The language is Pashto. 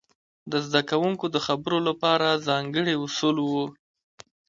د زده کوونکو د خبرو لپاره ځانګړي اصول وو.